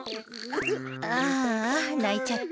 ああないちゃった。